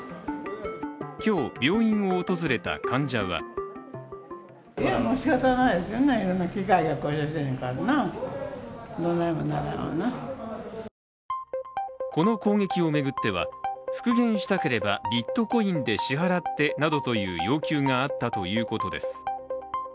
今日、病院を訪れた患者はこの攻撃を巡っては復元したければビットコインで支払ってなどという要求があったということです。